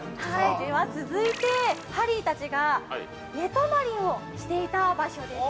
◆では続いて、ハリーたちが寝泊まりをしていた場所です。